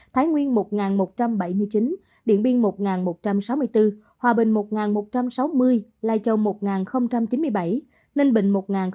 thái nguyên một một trăm bảy mươi chín điện biên một một trăm sáu mươi bốn hòa bình một một trăm sáu mươi lai châu một chín mươi bảy ninh bình một bốn mươi sáu